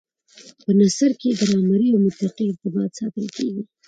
په نثر کي ګرامري او منطقي ارتباط ساتل کېږي.